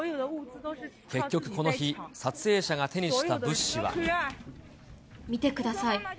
結局この日、撮影者が手にし見てください。